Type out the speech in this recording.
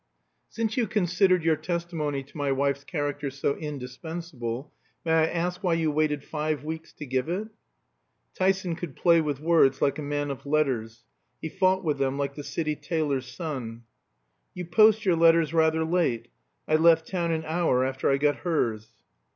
"Since you considered your testimony to my wife's character so indispensable, may I ask why you waited five weeks to give it?" Tyson could play with words like a man of letters; he fought with them like the City tailor's son. "You post your letters rather late. I left town an hour after I got hers."